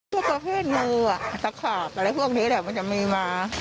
พวกตัวเพศงูสะขาบอะไรพวกนี้แหละมันจะมีมา